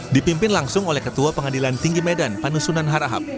dipimpin langsung oleh ketua pengadilan tinggi medan panusunan harahap